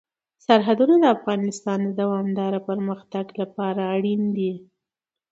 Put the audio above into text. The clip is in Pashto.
سرحدونه د افغانستان د دوامداره پرمختګ لپاره اړین دي.